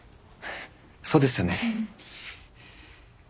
そうですよね。